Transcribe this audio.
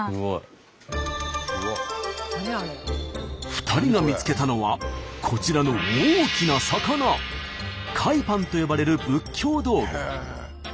２人が見つけたのはこちらの大きな魚。と呼ばれる仏教道具。